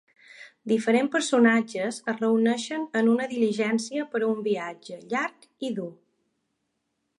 Diferents personatges es reuneixen en una diligència per a un viatge llarg i dur.